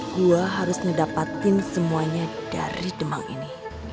gue harus ngedapatin semuanya dari demang ini